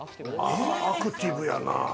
アクティブやな。